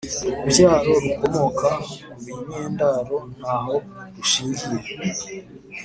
urubyaro rukomoka ku binyendaro nta ho rushingiye,